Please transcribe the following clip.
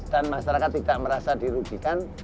dan masyarakat tidak merasa dirugikan